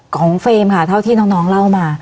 เฟรมค่ะเท่าที่น้องเล่ามา